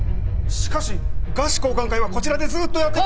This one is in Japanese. しかし賀詞交換会はこちらでずっとやってきた。